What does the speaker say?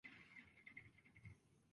ちんすこうすこ